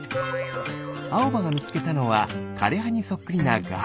あおばがみつけたのはかれはにそっくりなガ。